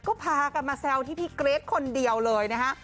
ก็พากันมาแซวที่พี่เกรทคนเดียวเลยนะฮะ